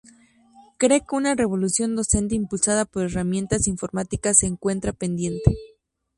Cree que una revolución docente, impulsada por herramientas informáticas, se encuentra pendiente.